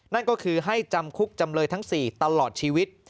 นั่นก็คือให้จำคุกจำเลยทั้ง๔ตลอดชีวิต